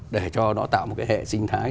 để cho nó tạo một cái hệ sinh thái